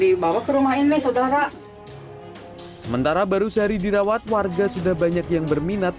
dibawa ke rumah ini sudah kak sementara baru sehari dirawat warga sudah banyak yang berminat